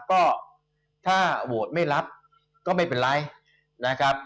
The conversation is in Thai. ก็ถ้าโหวตไม่รับก็ไม่เป็นไรนะครับ